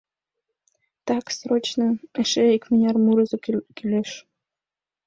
Так, срочно эше икмыняр мурызо кӱлеш.